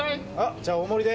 じゃあ、大盛りで。